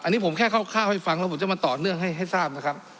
อันนี้ผมแค่คร่าวให้ฟังแล้วผมจะมาต่อเนื่องให้ทราบนะครับ